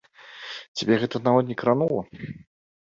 Цябе гэта нават не кранула?